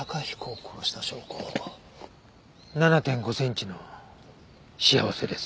７．５センチの倖せです。